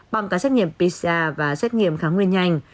bằng cả xét nghiệm pcr và xét nghiệm kháng nguyên nhanh